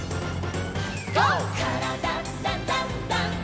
「からだダンダンダン」